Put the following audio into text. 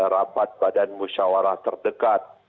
rapat badan musyawarah terdekat